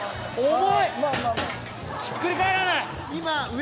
重い！